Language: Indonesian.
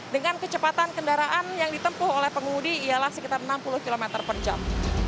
dengan kecepatan kendaraan yang ditempuh oleh pengemudi ialah sekitar enam puluh km per jam